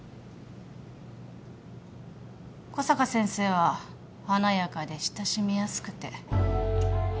小坂先生は華やかで親しみやすくて。